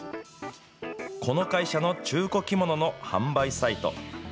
この会社の中古着物の販売サイト。